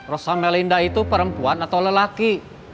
rosa melinda itu perempuan atau lelaki